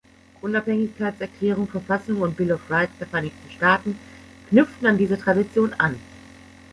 Unabhängigkeitserklärung, Verfassung und Bill of Rights der Vereinigten Staaten knüpften an diese Tradition an.